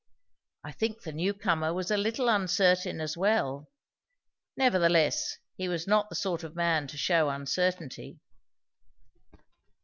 I think the new comer was a little uncertain as well; nevertheless he was not the sort of man to shew uncertainty.